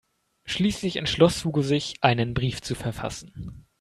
Schließlich entschloss Hugo sich, einen Brief zu verfassen.